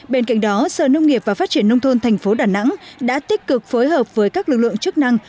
bên cạnh đó sở nông nghiệp và phát triển nông thôn thành phố đà nẵng đã tích cực phối hợp với các lực lượng chức năng